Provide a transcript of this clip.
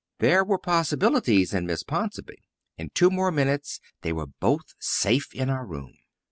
There were possibilities in Miss Ponsonby. In two more minutes they were both safe in our room.